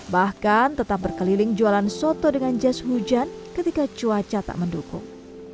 bahkan tetap berkeliling jualan soto dengan jas hujan ketika cuaca tak mendukung